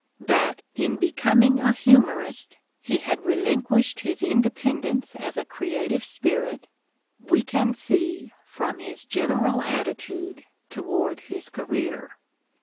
That in becoming a humorist he had relinquished hia independence as a creative spirit we can see from his general attitude toward his career.